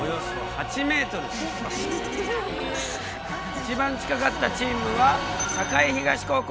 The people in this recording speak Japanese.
一番近かったチームは栄東高校。